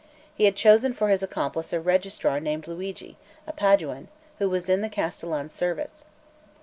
He had chosen for his accomplice a registrar named Luigi, a Paduan, who was in the castellan's service.